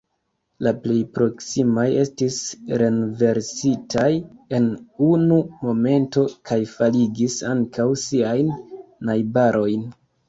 La plej proksimaj estis renversitaj en unu momento kaj faligis ankaŭ siajn najbarojn.